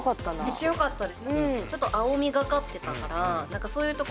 めっちゃよかったです。